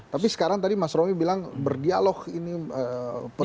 tapi sekarang tadi mas romy bilang berdialog ini